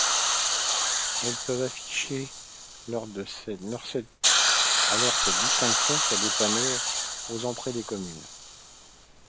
Elles peuvent afficher alors cette distinction sur des panneaux aux entrées des communes.